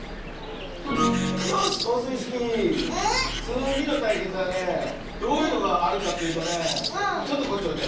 よしオスイスキーつぎのたいけつはねどういうのがあるかというとねちょっとこっちおいで。